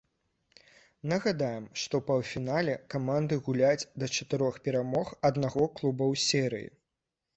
Нагадаем, што ў паўфінале каманды гуляюць да чатырох перамог аднаго клуба ў серыі.